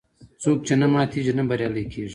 څوک چې نه ماتیږي، نه بریالی کېږي.